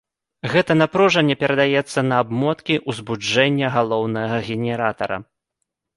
Гэта напружанне падаецца на абмоткі ўзбуджэння галоўнага генератара.